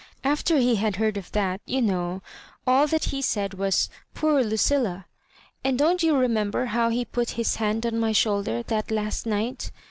Aflet he had heard of ihatj you know — ^all that he said was, Poor Lucilla I And don't you remember how he put his hand on my shoulder that last night?